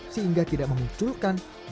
sehingga tidak mengunculkan dampak krisis ketotikan